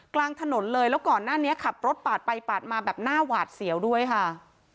กลางถนนเลยแล้วก่อนหน้านี้ขับรถปาดไปปาดมาแบบหน้าหวาดเสียวด้วยค่ะ